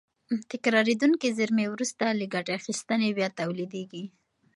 تکرارېدونکې زېرمې وروسته له ګټې اخیستنې بیا تولیدېږي.